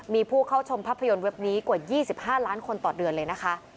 มีผู้เข้าชมภาพยนตร์เว็บนี้กว่า๒๕ล้านคนต่อเดือนเลยนะคะ